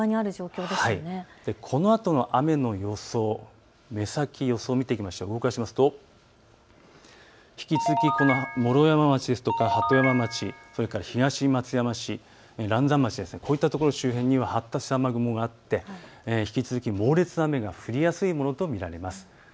このあとの雨の予想、動かすと引き続き毛呂山町ですとか鳩山町、東松山市、嵐山町、こういったところの周辺に発達した雨雲があって引き続き猛烈な雨が降りやすいものと見られます。